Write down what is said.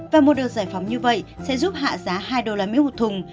và một đợt giải phóng như vậy sẽ giúp hạ giá hai usd một thùng